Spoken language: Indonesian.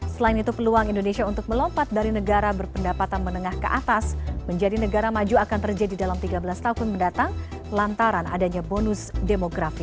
selain itu peluang indonesia untuk melompat dari negara berpendapatan menengah ke atas menjadi negara maju akan terjadi dalam tiga belas tahun mendatang lantaran adanya bonus demografi